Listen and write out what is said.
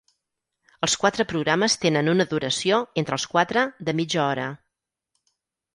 Els quatre programes tenen una duració, entre els quatre, de mitja hora.